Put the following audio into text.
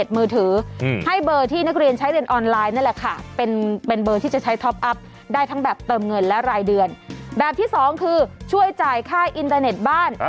ที่จะใช้ท็อปอัพได้ทั้งแบบเติมเงินและรายเดือนแบบที่๒คือช่วยจ่ายค่ายอินเทอร์เน็ตบ้าน